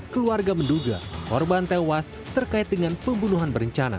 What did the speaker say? keluarga menduga korban tewas terkait dengan pembunuhan berencana